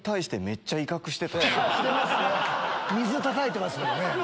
水たたいてますもんね。